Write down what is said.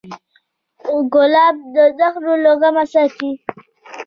ګلاب د زهرو له غمه ساتي.